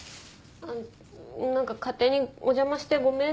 あっなんか勝手にお邪魔してごめんね。